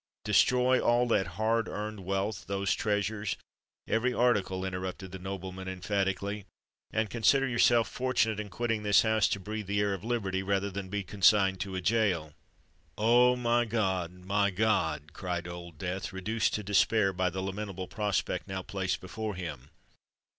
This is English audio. destroy all that hard earned wealth—those treasures——" "Every article!" interrupted the nobleman emphatically; "and consider yourself fortunate in quitting this house to breathe the air of liberty, rather than to be consigned to a gaol." "Oh! my God! my God!" cried Old Death, reduced to despair by the lamentable prospect now placed before him.